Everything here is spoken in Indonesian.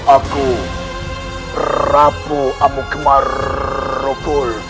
aku prabu amukmarukul